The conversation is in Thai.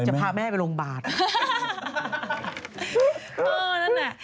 จะพาแม่ไปโรงบาฮ่า